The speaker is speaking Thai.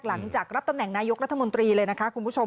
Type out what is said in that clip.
หลังจากรับตำแหน่งนายกรัฐมนตรีเลยนะคะคุณผู้ชม